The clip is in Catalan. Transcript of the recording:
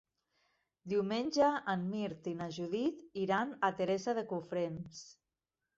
Diumenge en Mirt i na Judit iran a Teresa de Cofrents.